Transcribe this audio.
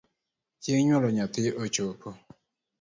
Chieng’ nyuol nyathi ochopo